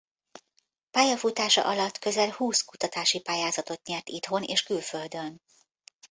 Pályafutása alatt közel húsz kutatási pályázatot nyert itthon és külföldön.